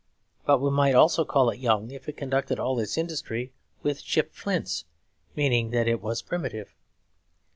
But we might also call it young if it conducted all its industry with chipped flints; meaning that it was primitive.